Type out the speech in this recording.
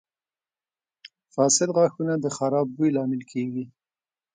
• فاسد غاښونه د خراب بوی لامل کیږي.